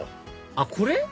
あっこれ？